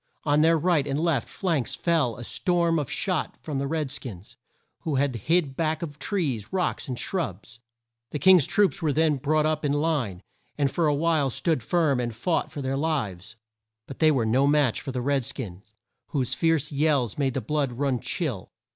On their right and left flanks fell a storm of shot from the red skins who had hid back of trees, rocks, and shrubs. The King's troops were then brought up in line, and for a while stood firm and fought for their lives. But they were no match for the red skins, whose fierce yells made the blood run chill.